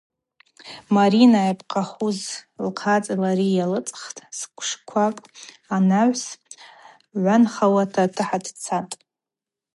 Марина йапхъахуз лхъацӏи лари алыцӏхтӏ, сквшквакӏ анагӏвс гӏванхауата тахӏа дцатӏ.